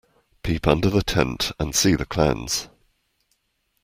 Peep under the tent and see the clowns.